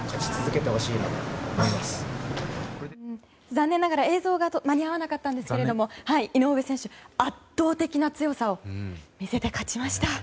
残念ながら映像が間に合わなかったんですけれど井上選手、圧倒的な強さを見せて勝ちました。